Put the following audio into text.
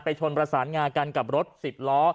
ชนประสานงากันกับรถสิบล้อ